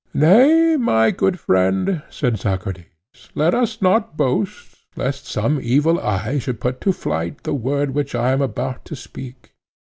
Nay, my good friend, said Socrates, let us not boast, lest some evil eye should put to flight the word which I am about to speak.